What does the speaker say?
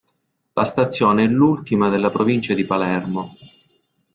La stazione è l'ultima della provincia di Palermo.